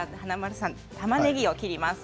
たまねぎを切ります。